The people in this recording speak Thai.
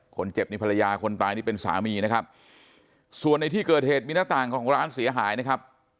คนเจ็บนี่ภรรยาคนตายนี่เป็นสามีนะครับส่วนในที่เกิดเหตุมีหน้าต่างของร้านเสียหายนะครับ